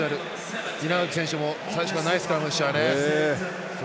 稲垣選手もナイススクラムでしたね。